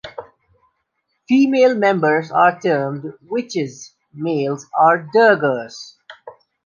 Female members are termed 'Witches', males are 'Dirgers'.